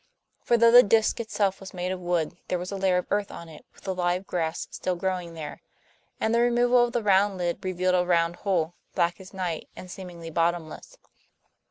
For though the disc itself was made of wood, there was a layer of earth on it with the live grass still growing there. And the removal of the round lid revealed a round hole, black as night and seemingly bottomless.